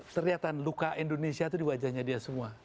ternyata luka indonesia itu di wajahnya dia semua